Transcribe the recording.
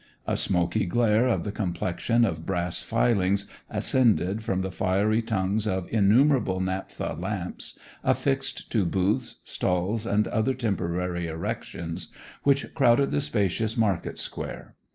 A smoky glare, of the complexion of brass filings, ascended from the fiery tongues of innumerable naphtha lamps affixed to booths, stalls, and other temporary erections which crowded the spacious market square.